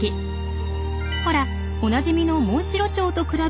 ほらおなじみのモンシロチョウと比べるとこのとおり。